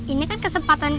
ini kan kesempatan